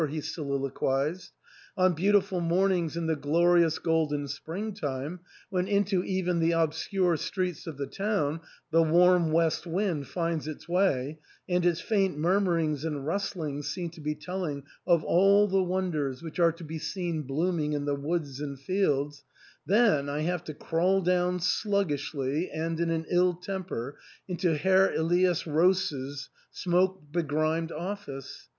" he soliloquised. " On beautiful mornings in the glorious golden spring time, when into even the obscure streets of the town the warm west wind finds its way, and its faint murmurings and rustlings seem to be telling of all the wonders which are to be seen bloom ing in the woods and fields, then I have to crawl down sluggishly and in an ill temper into Herr Elias Roos's smoke begrimed office.